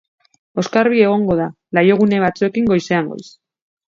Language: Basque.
Oskarbi egongo da, lainogune batzuekin goizean goiz.